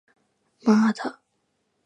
まーだ